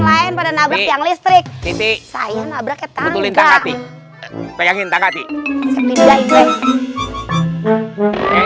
kok badan aku tiba tiba gatel ya